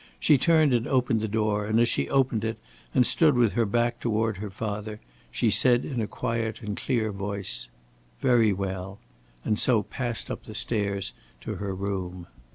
She turned and opened the door, and as she opened it, and stood with her back toward her father, she said in a quiet and clear voice, "Very well," and so passed up the stairs to her room.